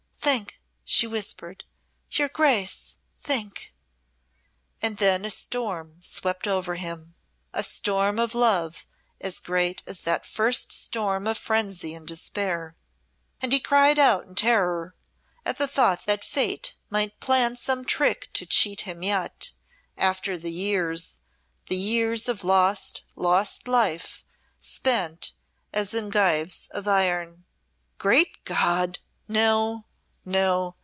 "Think," she whispered; "your Grace, think." And then a storm swept over him, a storm of love as great as that first storm of frenzy and despair. And he cried out in terror at the thought that Fate might plan some trick to cheat him yet, after the years the years of lost, lost life, spent as in gyves of iron. "Great God! No! No!"